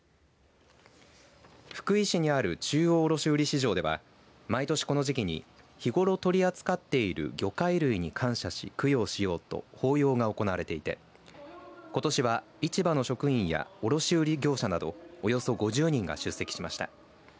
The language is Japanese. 福井市にある中央卸売市場では毎年この時期に日頃取り扱っている魚介類に感謝し供養しようと法要が行われていてことしは市場の職員や卸売り業者などおよそ５０人が出席しました。